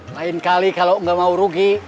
lain kali kalau nggak mau rugi